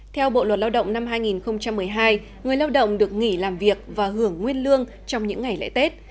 theo bộ luật lao động năm hai nghìn một mươi hai người lao động được nghỉ làm việc và hưởng nguyên lương trong những ngày lễ tết